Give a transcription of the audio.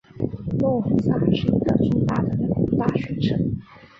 诺维萨是一个重要的大学城。